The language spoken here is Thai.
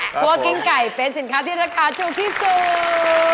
เพราะว่ากิ้งไก่เป็นสินค้าที่ราคาถูกที่สุด